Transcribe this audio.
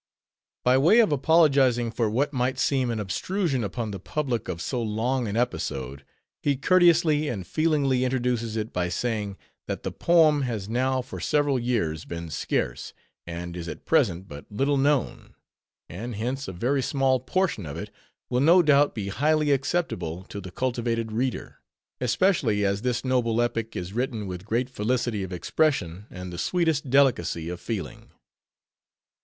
By way of apologizing for what might seem an obtrusion upon the public of so long an episode, he courteously and feelingly introduces it by saying, that _"the poem has now for several years been scarce, and is at present but little known; and hence a very small portion of it will no doubt be highly acceptable to the cultivated reader; especially as this noble epic is written with great felicity of expression and the sweetest delicacy of feeling."